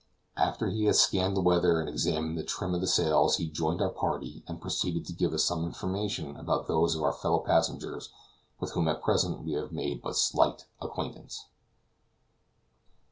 After he had scanned the weather and examined the trim of the sails, he joined our party and proceeded to give us some information about those of our fellow passengers with whom at present we have made but slight acquaintance.